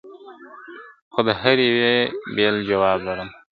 خو د هري یوې بېل جواب لرمه !.